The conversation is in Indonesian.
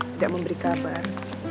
tidak memberi kabar